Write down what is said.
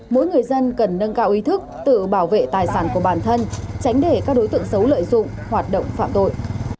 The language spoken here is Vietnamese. mỗi người dân cần nâng cao ý thức tự bảo vệ tài sản của bản thân tránh để các đối tượng xấu lợi dụng hoạt động phạm tội